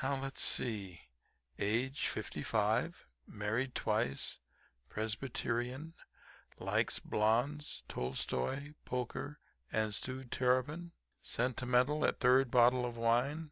Now, let's see. "Age 55; married twice; Presbyterian, likes blondes, Tolstoi, poker and stewed terrapin; sentimental at third bottle of wine."